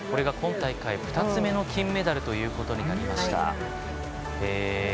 今大会２つ目の金メダルということになりました。